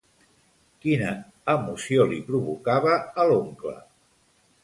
Quina emoció li provocava a l'oncle?